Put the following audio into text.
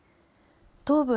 東部